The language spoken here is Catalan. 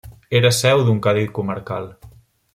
Era seu d'un cadi comarcal.